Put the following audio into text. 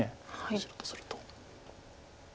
白とすると。